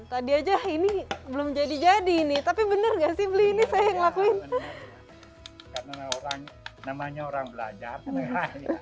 tadi aja ini belum jadi jadi nih tapi bener gak sih beli ini saya ngelakuin